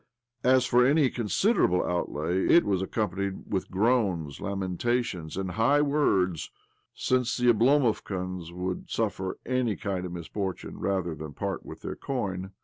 As for any considerable outlay, it was accompanied with groans, lamentations, and high words, since OBLOMOV 133 the Oblomovkans would suffer any kind of misfortune rather than part with their coin.